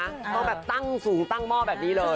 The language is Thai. ต้องแบบตั้งสูงตั้งหม้อแบบนี้เลย